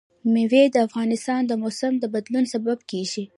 مېوې د افغانستان د موسم د بدلون سبب کېږي.